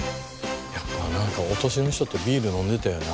やっぱなんかお年寄りの人ってビール飲んでたよな